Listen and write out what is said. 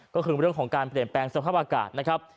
ก็คือเรื่องของการเปลี่ยนแปลงสภาพอากาศนะครับ